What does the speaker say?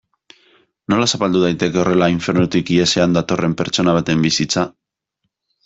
Nola zapaldu daiteke horrela infernutik ihesean datorren pertsona baten bizitza?